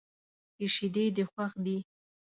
چې شیدې دې خوښ دي.